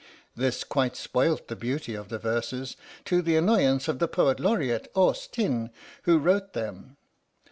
This quite spoilt the beauty of the verses, to the annoyance of the Poet Laureate Aus Tin who wrote them.